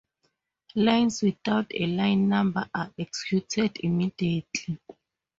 Lines without a line number are executed immediately.